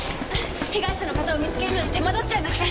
被害者の方を見つけるのに手間取っちゃいまして。